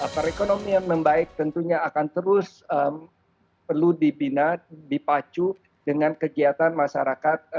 pada ekonomi yang membaik tentunya akan terus perlu dibina dipacu dengan kegiatan masyarakat